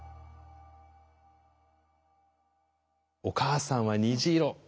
「お母さんは虹色」